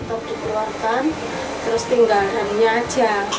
untuk dikeluarkan terus tinggalkannya aja